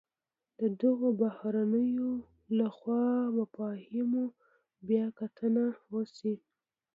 د دغو بهیرونو له خوا مفاهیمو بیا کتنه وشي.